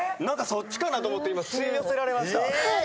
何かそっちかなと思って今吸い寄せられました。